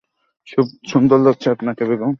সুন্দর লাগছে আপনাকে বেগম।